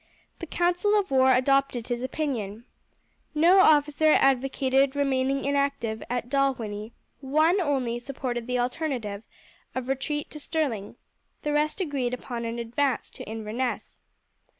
The council of war adopted his opinion. No officer advocated remaining inactive at Dalwhinnie, one only supported the alternative of the retreat to Stirling, the rest agreed upon an advance to Inverness.